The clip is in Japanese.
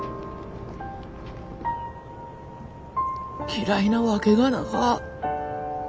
嫌いなわけがなか。